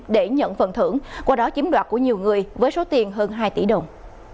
để nhận phần thưởng qua đó chiếm đoạt của nhiều người với số tiền hơn hai tỷ đồng